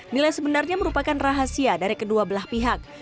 nilai sebenarnya merupakan rahasia dari kedua belah pihak